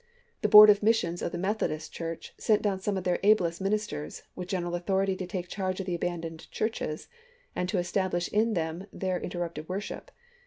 The Board of Missions of the Methodist Church sent down some of their ablest ministers, with general authority to take charge of the abandoned churches, and to es tablish in them their interrupted worship.